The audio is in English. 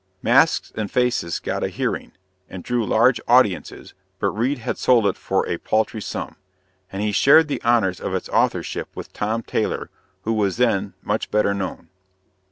"Masks and Faces" got a hearing, and drew large audiences, but Reade had sold it for a paltry sum; and he shared the honors of its authorship with Tom Taylor, who was then much better known.